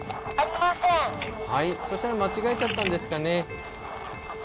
はいそしたら間違えちゃったんですかね？